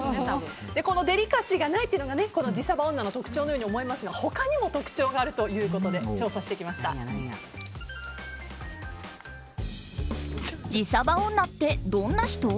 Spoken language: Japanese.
デリカシーがないというのが自サバ女の特徴のように思いますが他にも特徴があるということで自サバ女ってどんな人？